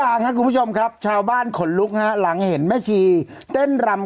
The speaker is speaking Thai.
ที่คุณผู้ชมครับชาวบ้านขนลุกหลังเห็นแม่ชีเต้นรำ